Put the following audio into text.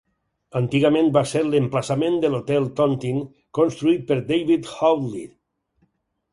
Antigament va ser l'emplaçament de l'hotel Tontine, construït per David Hoadley.